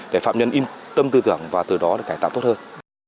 để phạm nhân yên tâm tư tưởng và từ đó được cải tạo tốt hơn